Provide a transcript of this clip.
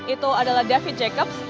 itu adalah david jacobs